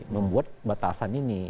membuat batasan ini